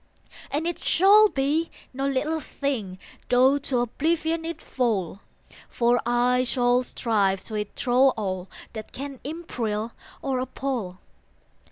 And it shall be no little thing, Tho to oblivion it fall, For I shall strive to it thro all That can imperil or appal.